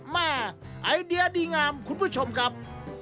แม่ไอเดียดีงามคุณผู้ชมครับ